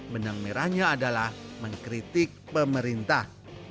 benang merahnya adalah mengkritik pemerintah